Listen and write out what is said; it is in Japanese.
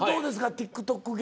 ＴｉｋＴｏｋ芸。